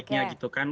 sebaiknya gitu kan